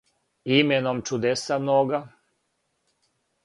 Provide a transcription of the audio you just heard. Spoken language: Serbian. именом чудеса многа